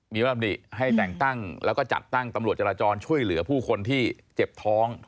มีมรำดิให้แต่งตั้งแล้วก็จัดตั้งตำรวจจราจรช่วยเหลือผู้คนที่เจ็บท้อง